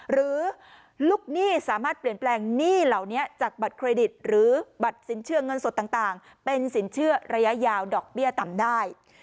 หรือลูกหนี้สามารถเปลี่ยนแปลงหนี้เหล่านี้จากบัตรเครดิตหรือบัตรสินเชื่อเงินสดต่างเป็นสินเชื่อระยะยาวดอกเบี้ยต่ำได้